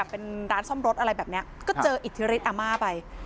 เป็นร้านซ่อมรถอะไรแบบนี้ก็เจออิทธิฤทธอาม่าไป